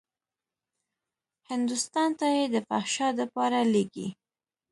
هندوستان ته يې د فحشا دپاره لېږي.